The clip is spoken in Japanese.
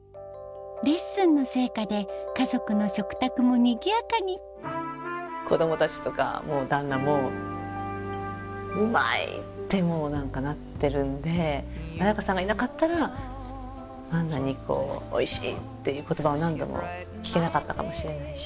レッスンの成果で家族の食卓もにぎやかに子供たちとかも旦那も「うまい！」って何かなってるんで亜弥花さんがいなかったらあんなに「おいしい」っていう言葉を何度も聞けなかったかもしれないし。